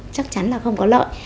chắc chắn là không có lợi